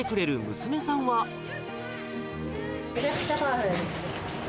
母はめちゃめちゃパワフルですね。